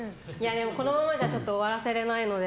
でも、このままじゃ終わらせられないので。